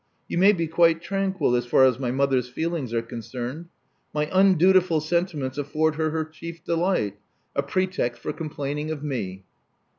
You may be quite tranquil as far as my mother's feelings are concerned. My undutiful sentiments afford her her chief delight — a pretext for complaining of me."